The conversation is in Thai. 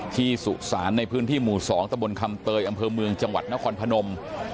สุสานในพื้นที่หมู่๒ตะบนคำเตยอำเภอเมืองจังหวัดนครพนม